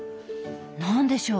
何でしょう？